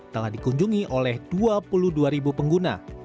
telah dikunjungi oleh dua puluh dua ribu pengguna